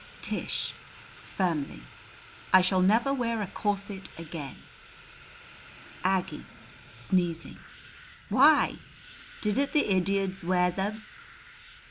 Tish (firmly): I shall never wear a corset again. Aggie (sneezing): Why? Didn't the Iddiads wear theb?